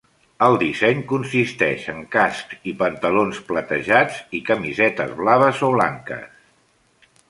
El disseny consisteix en cascs i pantalons platejats i camisetes blaves o blanques.